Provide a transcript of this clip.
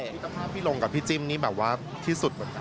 มิตรภาพพี่ลงกับพี่จิ้มนี่แบบว่าที่สุดเหมือนกัน